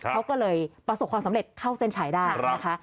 เขาก็เลยประสบความสำเร็จเข้าเส้นชัยได้นะคะ